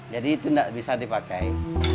jadi itu tidak bisa dipakai